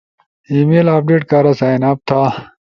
ای میل اپڈیٹ کارا سائن اپ تھا